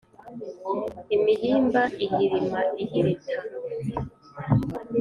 imihimba ihirima ihirita